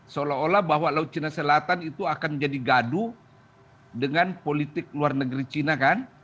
seolah olah bahwa laut china selatan itu akan jadi gaduh dengan politik luar negeri china kan